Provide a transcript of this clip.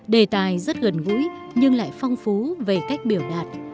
đề tài rất gần gũi nhưng lại phong phú về cách biểu đạt